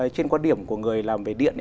trên quan điểm của người làm về điện